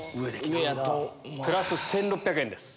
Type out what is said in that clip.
プラス１６００円です。